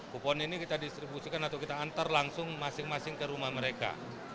kupon ini kita distribusikan atau kita antar langsung masing masing ke rumah mereka